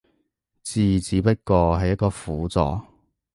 字只不過係一個輔助